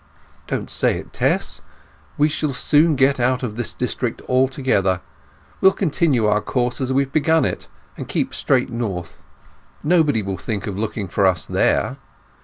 "Don't say it, Tess! We shall soon get out of this district altogether. We'll continue our course as we've begun it, and keep straight north. Nobody will think of looking for us there.